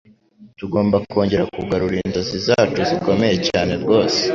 Tugomba kongera kugarura inzozi zacu zikomeye cyane rwose